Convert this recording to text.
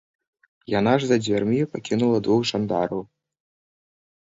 Яна ж за дзвярмі пакінула двух жандараў.